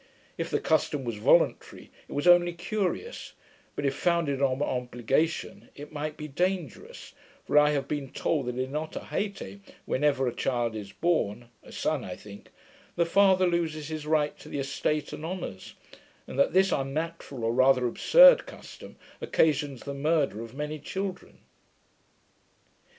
If the custom was voluntary, it was only curious; but if founded on obligation, it might be dangerous; for I have been told, that in Otaheite, whenever a child is born (a son, I think), the father loses his right to the estate and honours, and that this unnatural, or rather absurd custom, occasions the murder of many children.